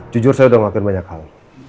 jujur saya udah ngelakuin banyak hal